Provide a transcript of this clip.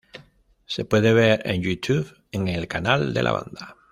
Se puede ver en Youtube en el canal de la banda.